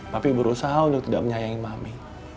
tapi berusaha untuk tidak menyayangi mami